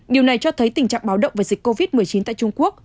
điều này cho thấy tình trạng báo động về dịch covid một mươi chín tại trung quốc